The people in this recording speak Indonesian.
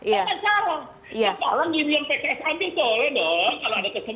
yang paling gini yang pks ambil tolen dong kalau ada kesempatan